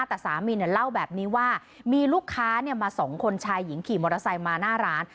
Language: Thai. แต่สามีเล่าแบบนี้ว่ามีลูกค้ามาสองคนชายหญิงขี่มอเตอร์ไซค์มาหน้าร้าน